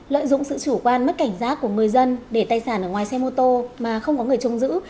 lợi dụng sự chủ quan mất cảnh giác của người dân để tài sản ở ngoài xe mô tô mà không có người trông giữ